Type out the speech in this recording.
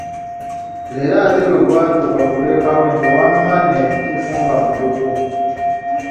Leero ate bwe gwatuuka ku b'e Kawempe wamma ne kifumba mutuku.